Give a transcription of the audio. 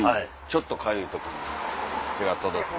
ちょっとかゆいとこに手が届く。